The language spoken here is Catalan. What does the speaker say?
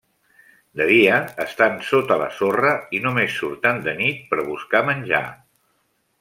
De dia estan sota la sorra, i només surten de nit per buscar menjar.